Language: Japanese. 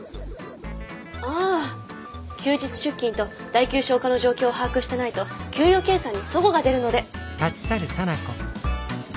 ああ休日出勤と代休消化の状況を把握してないと給与計算に齟齬が出るので。